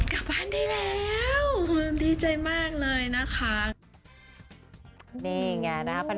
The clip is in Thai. กลับบ้านได้แล้วดีใจมากเลยนะคะ